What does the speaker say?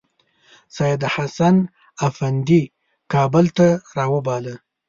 سیدحسن افندي کابل ته راوباله.